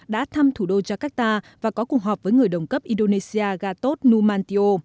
đã thăm thủ đô jakarta và có cùng họp với người đồng cấp indonesia gatot numantyo